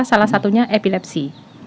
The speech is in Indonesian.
salah satunya epilepsi